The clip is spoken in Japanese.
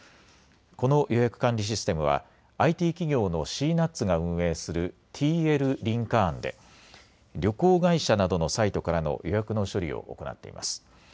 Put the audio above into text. この予約管理システムはＩＴ企業のシーナッツが運営するＴＬーリンカーンで旅行会社などのサイトからの予約の処理を行っています。